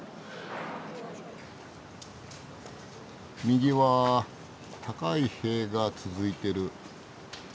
右は高い塀が続いてる。